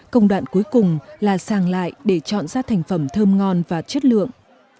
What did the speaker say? công đoạn cuối cùng là sàng lại để chọn ra thành phẩm thơm ngon và chất lượng